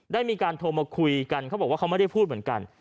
ได้มีการโทรมาคุยกันเขาบอกว่าเขาไม่ได้พูดเหมือนกัน